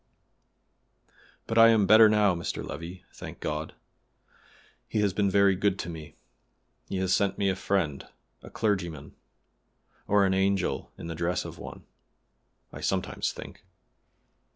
"But I am better now, Mr. Levi, thank God. He has been very good to me: he has sent me a friend, a clergyman, or an angel in the dress of one, I sometimes think.